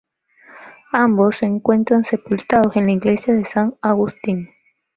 Ambos se encuentran sepultados en la Iglesia de San Agustín.